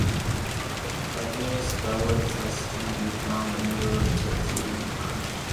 "Carpinus betulus" can be found in Europe, Turkey and Ukraine.